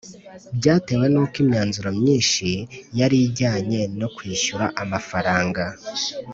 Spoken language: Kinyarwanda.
byatewe n uko imyanzuro myinshi yari ijyanye no kwishyura amafaranga